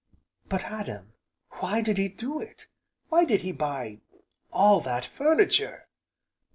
"But, Adam, why did he do it! Why did he buy all that furniture?"